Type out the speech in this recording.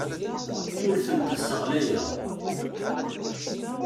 Ur tent-sseɣyaleɣ.